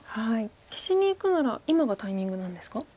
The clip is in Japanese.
消しにいくなら今がタイミングなんですか？